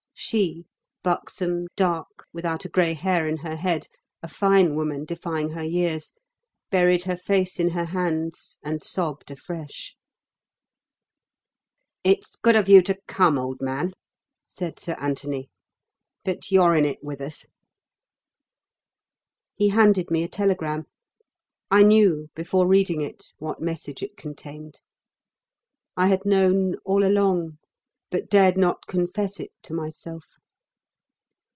She, buxom, dark, without a grey hair in her head, a fine woman defying her years, buried her face in her hands and sobbed afresh. "It's good of you to come, old man," said Sir Anthony, "but you're in it with us." He handed me a telegram. I knew, before reading it, what message it contained. I had known, all along, but dared not confess it to myself.